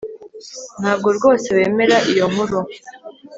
Ntabwo rwose wemera iyo nkuru